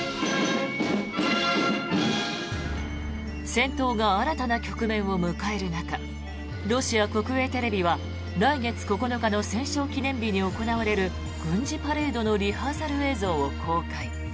戦闘が新たな局面を迎える中ロシア国営テレビは来月９日の戦勝記念日に行われる軍事パレードのリハーサル映像を公開。